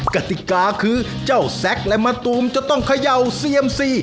กติกาคือเจ้าแซ็กและมะตูมจะต้องเขย่าเซียมซี